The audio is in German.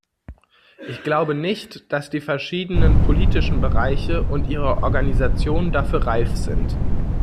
Ich glaube nicht, dass die verschiedenen politischen Bereiche und ihre Organisation dafür reif sind.